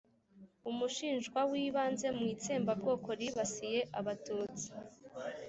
umushinjwa w'ibanze mu itsembabwoko ribasiye abatutsi